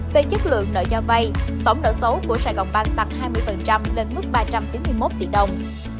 về chất lượng nợ do vay tổng nợ số của sài gòn bank tăng hai mươi lên mức ba trăm chín mươi một tỷ đồng